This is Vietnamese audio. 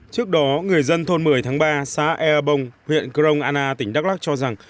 trước đó người dân thôn một mươi tháng ba xã ea bông huyện grongana tỉnh đắk lắk cho rằng